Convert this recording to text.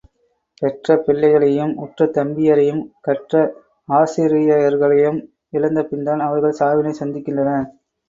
பெற்ற பிள்ளைகளையும், உற்ற தம்பியரையும் கற்ற ஆசிரியர்களையும் இழந்த பின்தான் அவர்கள் சாவினைச் சந்திக்கின்றனர்.